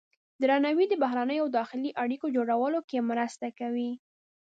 درناوی د بهرنیو او داخلي اړیکو جوړولو کې مرسته کوي.